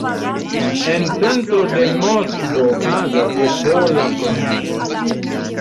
En centro de Moskvo okazas popola promenado.